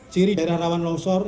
ciri daerah rawan longsor